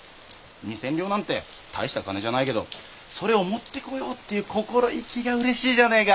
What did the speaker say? ２千両なんて大した金じゃないけどそれを持ってこようっていう心意気がうれしいじゃねえか！